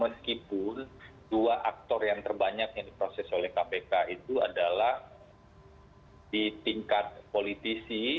meskipun dua aktor yang terbanyak yang diproses oleh kpk itu adalah di tingkat politisi